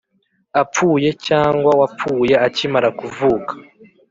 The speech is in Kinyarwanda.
apfuye cyangwa wapfuye akimara kuvuka